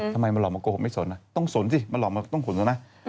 ทำไมมาหลอกมาโกหกไม่สนต้องสนสิมาหลอกมันต้องสนแล้วนะ